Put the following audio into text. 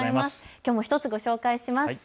きょうも１つご紹介します。